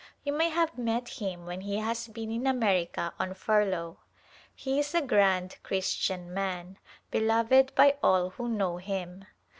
You may have met him when he has been in America on furlough. He is a grand Christian man, beloved by all who know him.